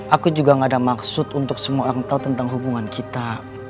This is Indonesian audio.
aku juga gak ada maksud untuk semua orang tahu tentang hubungan kita